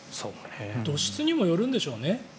土質にもよるんでしょうね。